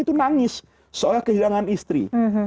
itu nangis seolah kehilangan istri